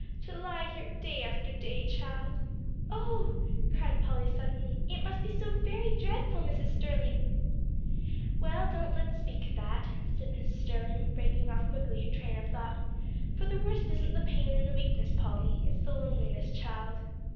To lie here day after day, child " "Oh!" cried Polly suddenly, "it must be so very dreadful, Mrs. Sterling." "Well, don't let us speak of that," said Mrs. Sterling, breaking off quickly her train of thought, "for the worst isn't the pain and the weakness, Polly. It's the loneliness, child."